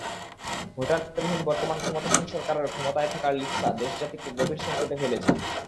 ভোটারবিহীন বর্তমান ক্ষমতাসীন সরকারের ক্ষমতায় থাকার লিপ্সা দেশ-জাতিকে গভীর সংকটে ফেলেছে।